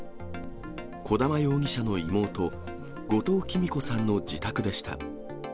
小玉容疑者の妹、後藤喜美子さんの自宅でした。